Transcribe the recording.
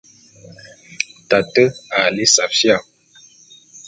Tate a lí safía.